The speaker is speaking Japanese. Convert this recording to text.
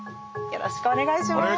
よろしくお願いします。